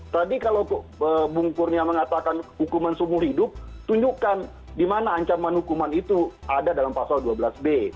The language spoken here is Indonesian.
tadi kalau bung kurnia mengatakan hukuman seumur hidup tunjukkan di mana ancaman hukuman itu ada dalam pasal dua belas b